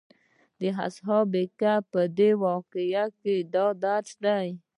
د اصحاب کهف په دې واقعه کې دا درس دی.